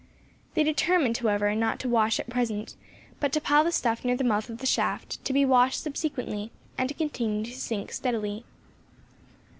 They determined, however, not to wash at present, but to pile the stuff near the mouth of the shaft, to be washed subsequently, and to continue to sink steadily.